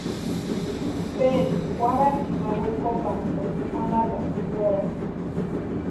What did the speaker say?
Pedru kwarakini ma wekopantʼaspti anhatapurhu weratini.